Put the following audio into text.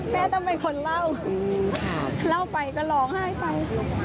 แม่ต้องเป็นคนเล่าเล่าไปก็ร้องไห้ไป